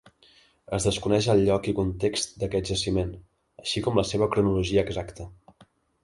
Es desconeix el lloc i context d'aquest jaciment, així com la seva cronologia exacta.